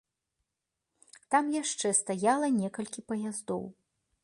Там яшчэ стаяла некалькі паяздоў.